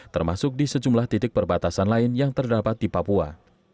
termasuk di sejumlah titik perbatasan lain yang terdapat di papua